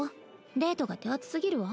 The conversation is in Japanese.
デートが手厚すぎるわ。